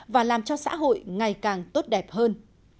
và làm cho xã hội ngày càng tốt đẹp hơn